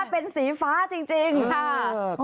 เป็นสีฟ้าจริงค่ะ